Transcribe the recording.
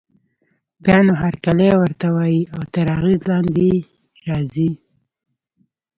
بيا نو هرکلی ورته وايي او تر اغېز لاندې يې راځي.